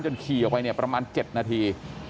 ขี่ออกไปเนี่ยประมาณ๗นาที